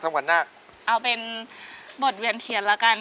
เอาเป็นบทเวียนเทียนละกัน